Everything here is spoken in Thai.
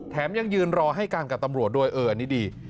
ยังยืนรอให้การกับตำรวจด้วยเอออันนี้ดี